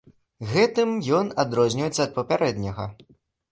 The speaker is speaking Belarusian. Гэтым ён адрозніваецца ад папярэдняга.